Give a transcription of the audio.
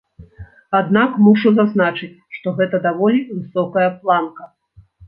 Аднак мушу зазначыць, што гэта даволі высокая планка.